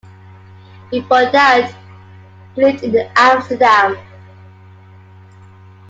Before that, he lived in Amsterdam.